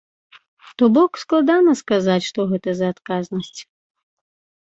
То бок, складана сказаць, што гэта за адказнасць.